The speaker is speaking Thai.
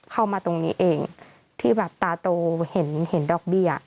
เข้ามาตรงนี้เองที่แบบตาโตเห็นดอกดี